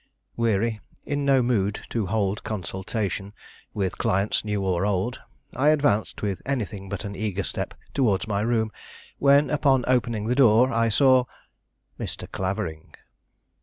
Weary, in no mood to hold consultation with clients new or old, I advanced with anything but an eager step towards my room, when, upon opening the door, I saw Mr. Clavering.